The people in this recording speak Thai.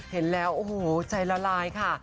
เห็นแล้วโอ้โหใจละลายค่ะ